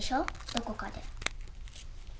どこかで。